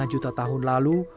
lima juta tahun lalu